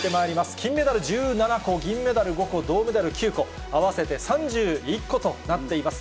金メダル１７個、銀メダル５個、銅メダル９個、合わせて３１個となっています。